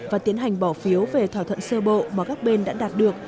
và tiến hành bỏ phiếu về thỏa thuận sơ bộ mà các bên đã đạt được